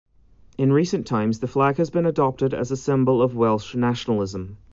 In recent times the flag has been adopted as a symbol of Welsh nationalism.